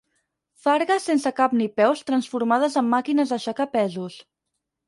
Fargues sense cap ni peus transformades en màquines d'aixecar pesos.